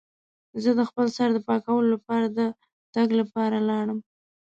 زه د خپل سر د پاکولو لپاره د تګ لپاره لاړم.